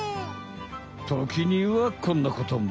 ときにはこんなことも！